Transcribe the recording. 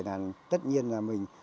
tất nhiên là mình